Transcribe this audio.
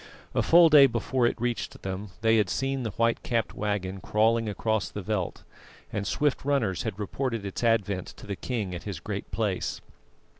A full day before it reached them, they had seen the white capped waggon crawling across the veldt, and swift runners had reported its advent to the king at his Great Place.